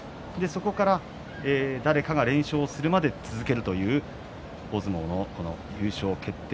そこから誰かが連勝するまで続けるという大相撲の優勝決定